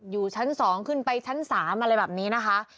อยู่ชั้น๒ขึ้นไปชั้น๓อะไรแบบนี้นะคะ